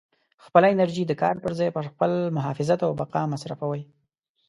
خپله انرژي د کار په ځای پر خپل محافظت او بقا مصروفوئ.